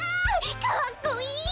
かっこいい！